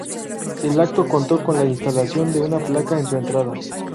El acto contó con la instalación de una placa en su entrada.